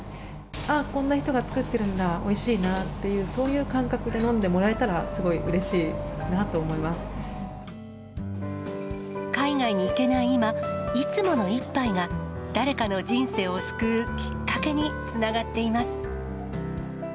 あっ、こんな人が作ってるんだ、おいしいなっていう、そういう感覚で飲んでもらえたら、すごいう海外に行けない今、いつもの一杯が、誰かの人生を救うきっかけにつながっています。